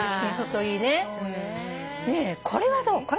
ねえこれはどう？